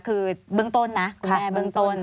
คือเบื้องต้นนะคุณแม่เบื้องต้น